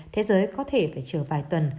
thế giới có thể phải chờ vài tuần